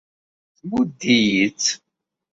Tmudd-iyi-tt.